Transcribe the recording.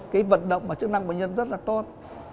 cái vận động và chức năng bệnh nhân rất là tốt